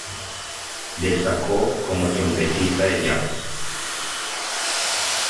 Destacó como trompetista de jazz.